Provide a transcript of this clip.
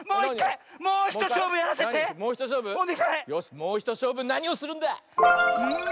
もうひとしょうぶなにをするんだ⁉んん。